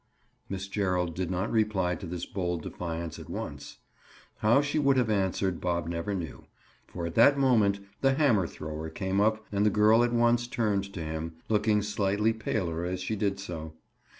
Miss Gerald did not reply to this bold defiance at once. How she would have answered, Bob never knew, for at that moment the hammer thrower came up and the girl at once turned to him, looking slightly paler as she did so.